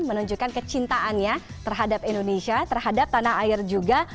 menunjukkan kecintaannya terhadap indonesia terhadap tanah air juga